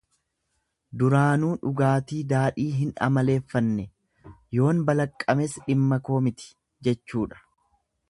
Duraanuu dhugaatii daadhii hin amaleeffanne, yoon balaqqames dhimma koo miti jechuudha.